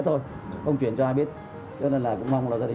theo tường loại vaccine khoảng hơn chín trăm hai mươi bảy người